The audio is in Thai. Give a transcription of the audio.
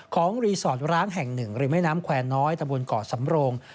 ของรีสอร์ทร้างแห่งหนึ่งริมแม่น้ำแควร์น้อยตะบนเกาะสำโรง